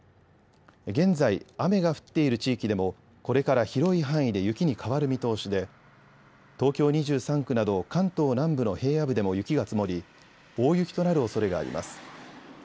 現在、雨が降っている地域でもこれから広い範囲で雪に変わる見通しで東京２３区など関東南部の平野部でも雪が積もり大雪となるおそれがあります。